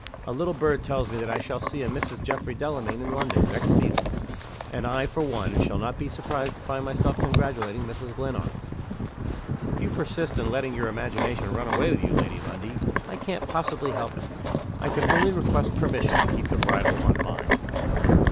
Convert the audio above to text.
A little bird tells me that I shall see a Mrs. Geoffrey Delamayn in London, next season. And I, for one, shall not be surprised to find myself congratulating Mrs. Glenarm." "If you persist in letting your imagination run away with you, Lady Lundie, I can't possibly help it. I can only request permission to keep the bridle on _mine.